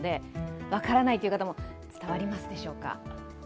分からないという方も分かりますでしょうか？